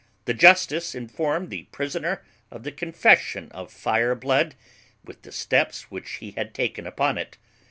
The justice informed the prisoner of the confession of Fireblood, with the steps which he had taken upon it.